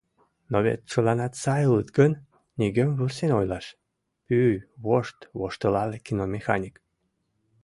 Но вет чыланат сай улыт гын, нигӧм вурсен ойлаш, — пӱй вошт воштылале киномеханик.